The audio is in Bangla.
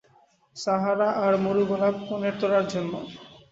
সাহারা আর মরু গোলাপ কনের তোড়ার জন্য।